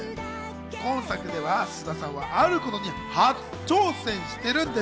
今作では菅田さんがあることに初挑戦してるんです。